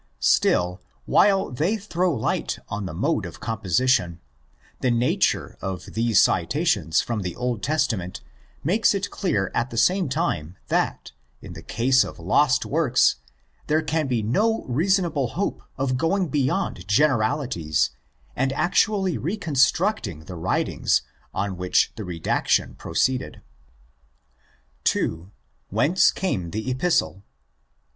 Still, while they throw light on the mode of compo sition, the nature of these citations from the Old Testament makes it clear at the same time that, in the case of lost works, there can be no reasonable hope of going beyond generalities and actually reconstructing the writings on which the redaction proceeded. 2.—WHENCE CAME THE EPISTLE